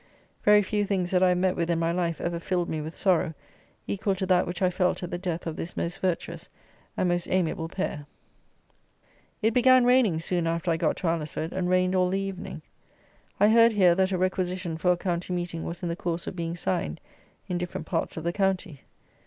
Very few things that I have met with in my life ever filled me with sorrow equal to that which I felt at the death of this most virtuous and most amiable pair. It began raining soon after I got to Alresford, and rained all the evening. I heard here, that a Requisition for a County Meeting was in the course of being signed in different parts of the county.